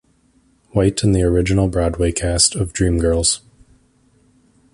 White in the original Broadway cast of "Dreamgirls".